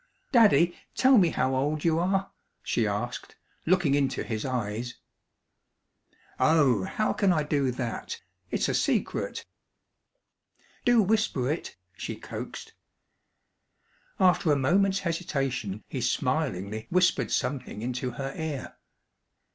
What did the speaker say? "Daddy, tell me how old you are," she asked, looking into his eyes. "Oh, how can I do that? It's a secret." "Do whisper it," she coaxed. After a moment's hesitation he smilingly whispered something into her ear.